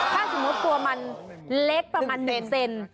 ถ้าสมมุติตัวมันเล็กประมาณ๗เซน